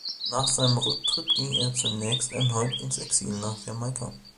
Nach seinem Rücktritt ging er zunächst erneut ins Exil nach Jamaika.